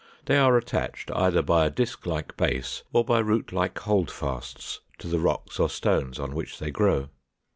They are attached either by a disk like base or by root like holdfasts to the rocks or stones on which they grow.